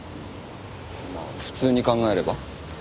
まあ普通に考えれば。